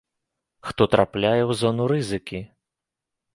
Хто трапляе ў зону рызыкі?